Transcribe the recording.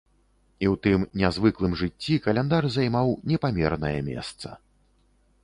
І ў тым нязвыклым жыцці каляндар займаў непамернае месца.